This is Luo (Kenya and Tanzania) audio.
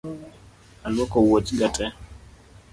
Alwoko wuoch ga tee